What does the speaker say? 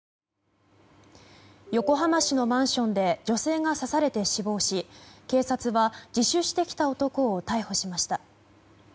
横浜市のマンションで女性が刺されて死亡し警察は、自首してきた男を逮捕しました。